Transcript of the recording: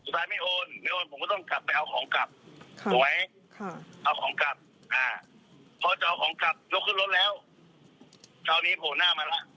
ตอนนั้นที่ยกปังต่อมาในความคิดคืออย่างไรครับ